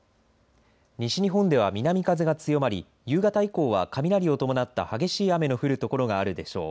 西日本では南風が強まり夕方以降は雷を伴った激しい雨の降る所があるでしょう。